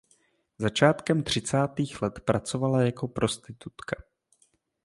Začátkem třicátých let pracovala jako prostitutka.